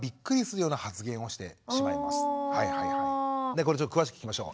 これちょっと詳しく聞きましょう。